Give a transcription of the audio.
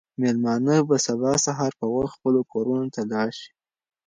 مېلمانه به سبا سهار په وخت خپلو کورونو ته لاړ شي.